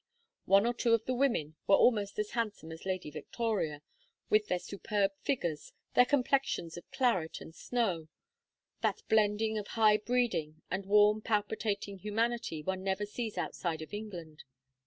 One or two of the women were almost as handsome as Lady Victoria, with their superb figures, their complexions of claret and snow, that blending of high breeding and warm palpitating humanity one never sees outside of England.